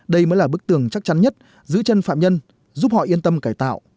đây mới là bức tường chắc chắn nhất giữ chân phạm nhân giúp họ yên tâm cải tạo